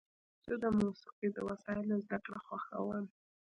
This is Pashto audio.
زه د موسیقۍ د وسایلو زدهکړه خوښوم.